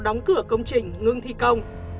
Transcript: đóng cửa công trình ngưng thi công